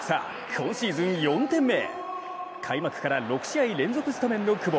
今シーズン４点目開幕から６試合連続スタメンの久保。